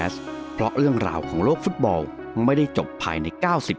สวัสดีครับ